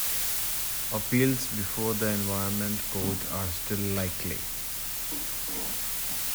Appeals before the Environment Court are still likely.